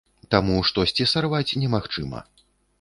Таму штосьці сарваць немагчыма.